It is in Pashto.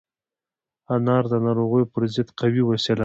انار د ناروغیو پر ضد قوي وسيله ده.